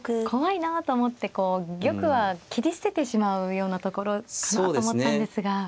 怖いなと思って玉は切り捨ててしまうようなところかなと思ったんですが。